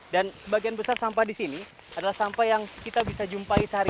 dan sebagian besar sampah di sini adalah sampah yang kita bisa jumpai saat ini